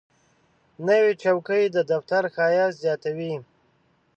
نوې چوکۍ د دفتر ښایست زیاتوي